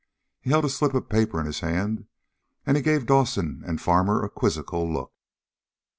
He held a slip of paper in his hand, and he gave Dawson and Farmer a quizzical look.